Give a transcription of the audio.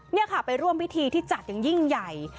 นี่ค่ะไปร่วมพิธีที่จัดอย่างยิ่งใหญ่